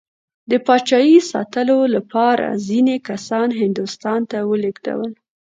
د پاچایۍ ساتلو لپاره ځینې کسان هندوستان ته ولېږدول.